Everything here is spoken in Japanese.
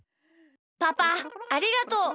パパありがとう！